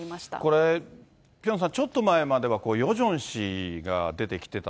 これ、ピョンさん、ちょっと前まではヨジョン氏が出てきてた